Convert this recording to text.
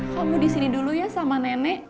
kamu disini dulu ya sama nenek